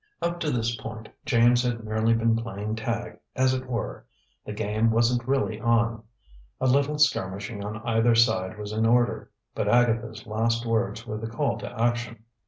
Up to this point, James had merely been playing tag, as it were. The game wasn't really on. A little skirmishing on either side was in order. But Agatha's last words were the call to action.